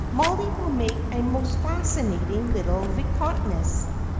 Mollie will make a most fascinating little viscountess.